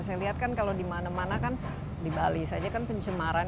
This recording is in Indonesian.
saya lihat kan kalau di mana mana kan di bali saja kan pencemaran